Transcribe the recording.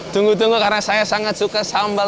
tunggu tunggu karena saya sangat suka sambal